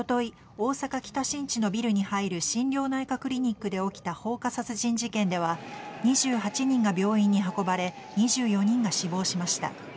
大阪北新地のビルに入る心療内科クリニックで起きた放火殺人事件では２８人が病院に運ばれ２４人が死亡しました。